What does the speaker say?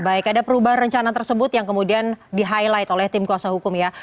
baik ada perubahan rencana tersebut yang kemudian di highlight oleh tim kosovo